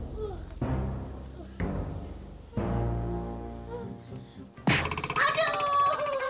ngapain sudah mobil